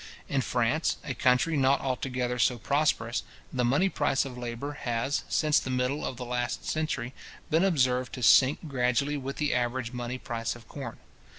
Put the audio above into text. In France, a country not altogether so prosperous, the money price of labour has, since the middle of the last century, been observed to sink gradually with the average money price of corn.